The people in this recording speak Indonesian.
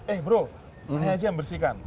eh bro sungai aja yang bersihkan